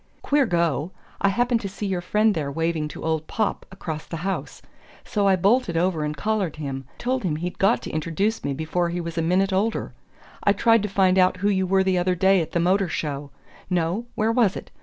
"Queer go I happened to see your friend there waving to old Popp across the house. So I bolted over and collared him: told him he'd got to introduce me before he was a minute older. I tried to find out who you were the other day at the Motor Show no, where was it?